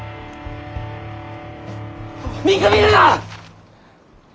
見くびるな！